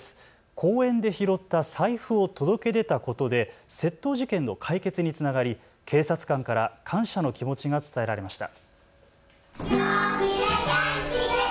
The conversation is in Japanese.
公園で拾った財布を届け出たことで窃盗事件の解決につながり警察官から感謝の気持ちが伝えられました。